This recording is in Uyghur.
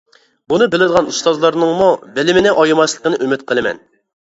بۇنى بىلىدىغان ئۇستازلارنىڭمۇ بىلىمىنى ئايىماسلىقىنى ئۈمىد قىلىمەن.